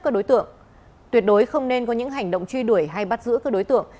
các đối tượng tuyệt đối không nên có những hành động truy đuổi hay bắt giữ các đối tượng